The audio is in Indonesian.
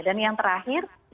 dan yang terakhir